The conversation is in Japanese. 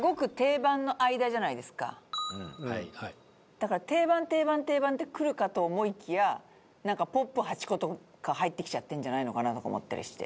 だから定番定番定番ってくるかと思いきやなんかポップ８個とか入ってきちゃってんじゃないのかなとか思ったりして。